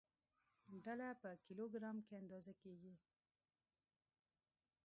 ډله په کیلوګرام کې اندازه کېږي.